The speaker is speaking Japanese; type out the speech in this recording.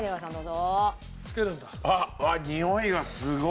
あっにおいがすごい！